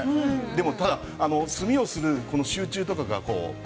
でもただ、墨をする集中とかがこう。